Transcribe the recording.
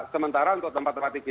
sementara untuk tempat tempat tv